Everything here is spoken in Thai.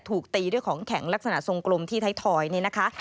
ถูกตีด้วยของแข็งลักษณะทรงกลมที่ไทยทอยนี่นะคะ